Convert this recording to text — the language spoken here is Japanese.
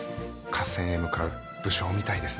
合戦へ向かう武将みたいですね。